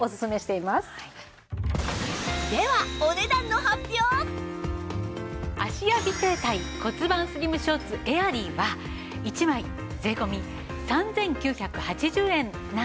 では芦屋美整体骨盤スリムショーツエアリーは１枚税込３９８０円なんですが注目はここからです！